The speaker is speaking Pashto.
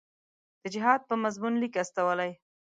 د جهاد په مضمون لیک استولی.